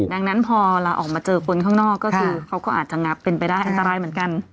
ดังนั้นพอลาออกมาเจอคนข้างนอกก็คือเขาก็อาจจะงับเป็นไปได้อันตรายเหมือนกัน